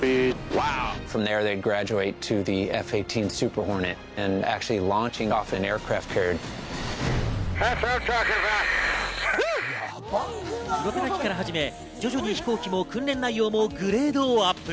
プロペラ機から始め、徐々に飛行機も訓練内容もグレードアップ。